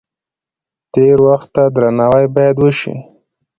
تیر وخت ته درناوی باید وشي.